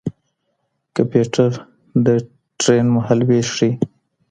کمپيوټر د ټرېن مهالوېش ښيي.